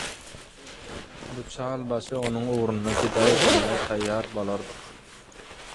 bu çal başy onuň ugrunda pida etmäge taýýar bolardyk.